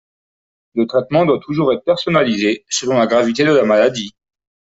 Le traitement doit toujours être personnalisé, selon la gravité de la maladie.